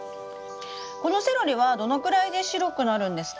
このセロリはどのくらいで白くなるんですか？